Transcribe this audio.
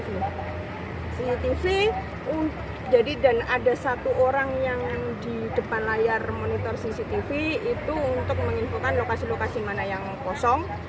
cctv jadi dan ada satu orang yang di depan layar monitor cctv itu untuk menginfokan lokasi lokasi mana yang kosong